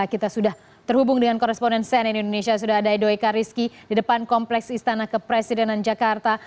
kita sudah terhubung dengan koresponen cnn indonesia sudah ada edo eka rizky di depan kompleks istana kepresidenan jakarta